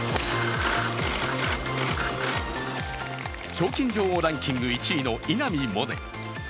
賞金女王ランキング１位の稲見萌寧。